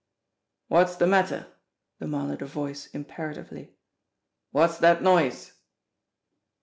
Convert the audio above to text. "What's the matter?" demanded a voice imperatively. "What's that noise?"